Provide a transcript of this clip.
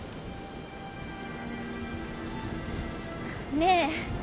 ねえ？